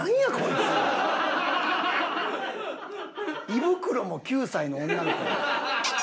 胃袋も９歳の女の子なの？